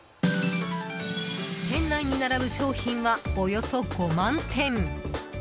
店内に並ぶ商品は、およそ５万点。